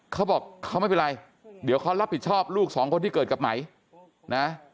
เขาบอกเขาไม่เป็นไรเดี๋ยวเขารับผิดชอบลูกสองคนที่เกิดกับไหมนะ